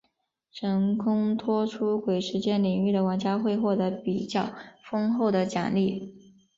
成功脱出鬼时间领域的玩家会获得比较丰厚的奖励。